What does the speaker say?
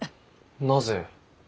なぜ？